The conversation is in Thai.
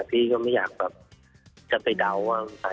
พี่ก็ไม่อยากจะไปเดาว่าเหตุอะไร